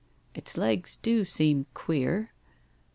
' It's legs do seem queer.'